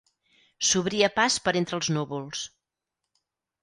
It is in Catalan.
S'obria pas per entre els núvols